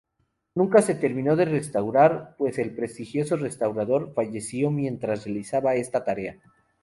Nunca se terminó de restaurar, pues el prestigioso restaurador falleció mientras realizaba esta tarea.